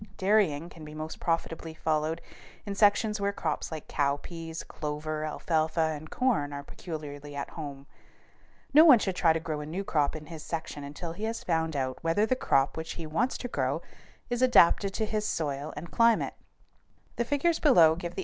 Dairying can be most profitably followed in sections where crops like cowpeas, clover, alfalfa, and corn are peculiarly at home. No one should try to grow a new crop in his section until he has found out whether the crop which he wants to grow is adapted to his soil and his climate.